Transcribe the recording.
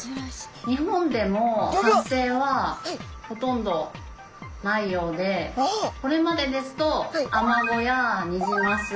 日本でも発生はほとんどないようでこれまでですとアマゴやニジマス